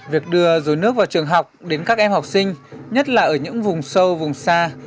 việc đưa rối nước vào trường học đến các em học sinh nhất là ở những vùng sâu vùng xa